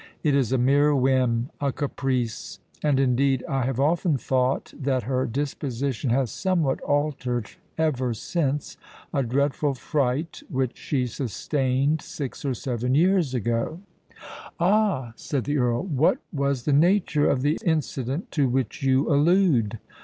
"It is a mere whim—a caprice; and indeed I have often thought that her disposition has somewhat altered ever since a dreadful fright which she sustained six or seven years ago——" "Ah!" said the Earl. "What was the nature of the incident to which you allude?"